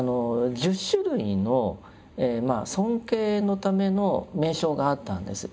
１０種類の尊敬のための名称があったんです。